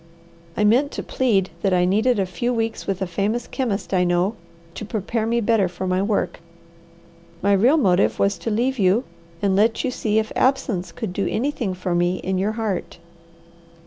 I meant to plead that I needed a few weeks with a famous chemist I know to prepare me better for my work. My real motive was to leave you, and let you see if absence could do anything for me in your heart.